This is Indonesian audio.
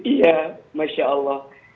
iya masya allah